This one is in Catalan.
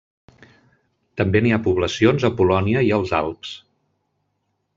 També n'hi ha poblacions a Polònia i els Alps.